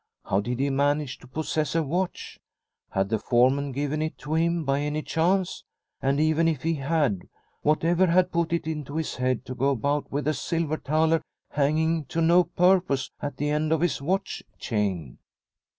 How did he manage to possess a watch ? Had the foreman given it to him by any chance ? And even if he had, whatever had put it into his head to go about with a silver The Smith from Henriksberg 171 thaler hanging to no purpose at the end of his watch chain